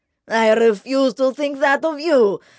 "I refuse to think that of you.